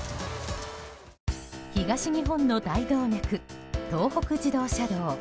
東日本の大動脈東北自動車道。